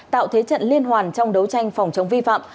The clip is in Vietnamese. tạo thế trận liên hoàn trong đấu tranh phòng chống vi phạm